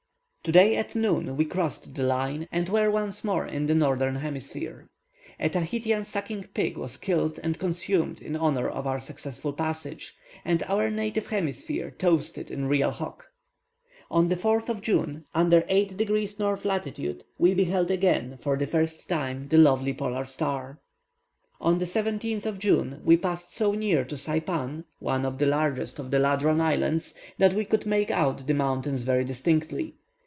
Today at noon we crossed the Line, and were once more in the northern hemisphere. A Tahitian sucking pig was killed and consumed in honour of our successful passage, and our native hemisphere toasted in real hock. On the 4th of June, under 8 degrees North latitude, we beheld again, for the first time, the lovely polar star. On the 17th of June, we passed so near to Saypan, one of the largest of the Ladrone Islands, that we could make out the mountains very distinctly.